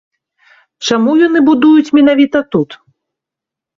Чаму яны будуюць менавіта тут?